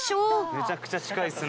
めちゃくちゃ近いですね。